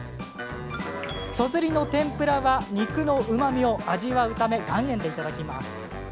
そずりの天ぷらは肉のうまみを味わうため岩塩でいただきます。